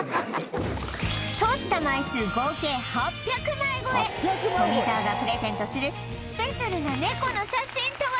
撮った枚数合計８００枚超え富澤がプレゼントするスペシャルな猫の写真とは？